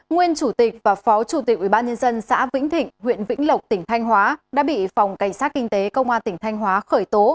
nguyên chủ tịch và phó chủ tịch ubnd xã vĩnh thịnh huyện vĩnh lộc tỉnh thanh hóa đã bị phòng cảnh sát kinh tế công an tỉnh thanh hóa khởi tố